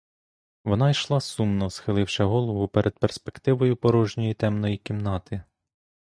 Вона йшла, сумно схиливши голову перед перспективою порожньої темної кімнати.